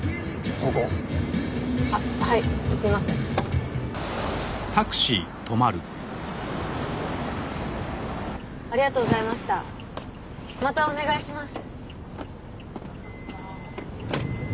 そこあっはいすいませんありがとうございましたまたお願いします